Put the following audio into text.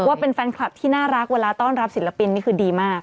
ว่าเป็นแฟนคลับที่น่ารักเวลาต้อนรับศิลปินนี่คือดีมาก